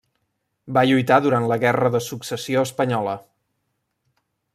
Va lluitar durant la Guerra de Successió Espanyola.